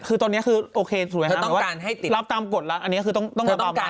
คือตอนนี้คือโอเคสวยห้ามหรือว่ารับตามกฎแล้วอันนี้คือต้องรับตามหรือว่า